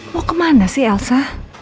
mau kemana sih elsa